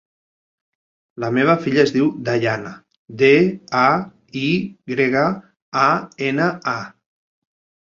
La meva filla es diu Dayana: de, a, i grega, a, ena, a.